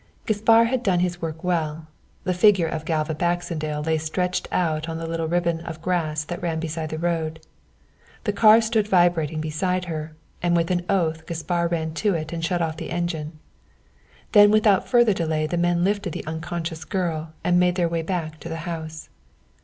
Gaspar had done his work well. The figure of Galva Baxendale lay stretched out on the little ribbon of grass that ran beside the road. The car stood vibrating beside her, and with an oath Gaspar ran to it and shut off the engine. Then without further delay the men lifted the unconscious girl and made their way back to the house.